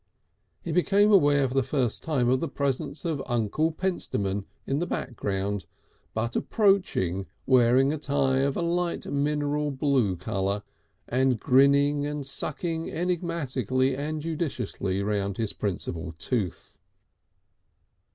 He became aware for the first time of the presence of Uncle Pentstemon in the background, but approaching, wearing a tie of a light mineral blue colour, and grinning and sucking enigmatically and judiciously round his principal tooth.